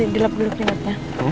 dilap dulu keringatnya